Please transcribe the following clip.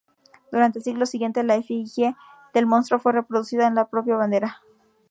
Durante el siglo siguiente, la efigie del monstruo fue reproducida en la propia bandera.